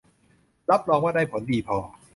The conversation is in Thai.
รับรองว่าได้ผลดีพอ